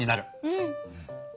うん。